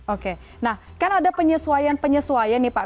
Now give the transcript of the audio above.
oke nah kan ada penyesuaian penyesuaian nih pak